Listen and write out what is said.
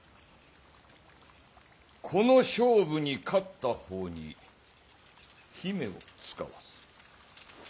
この勝負に勝った方に姫を遣わす。